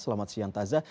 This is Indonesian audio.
selamat siang taza